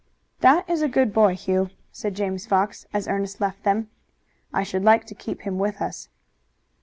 "That is a good boy, Hugh," said James Fox, as Ernest left them. "I should like to keep him with us."